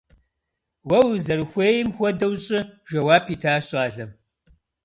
- Уэ узэрыхуейм хуэдэу щӀы! - жэуап итащ щӀалэм.